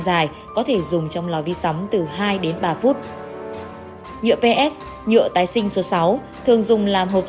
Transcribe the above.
dài có thể dùng trong lò vi sóng từ hai đến ba phút nhựa ps nhựa tái sinh số sáu thường dùng làm hộp